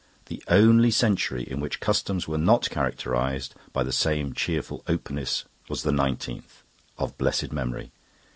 The only century in which customs were not characterised by the same cheerful openness was the nineteenth, of blessed memory.